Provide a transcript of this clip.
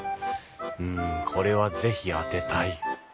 うんこれは是非当てたい。